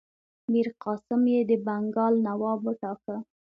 میرقاسم یې د بنګال نواب وټاکه.